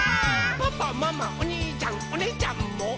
「パパママおにいちゃんおねぇちゃんも」